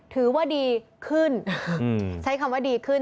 ถือว่าดีขึ้นใช้คำว่าดีขึ้น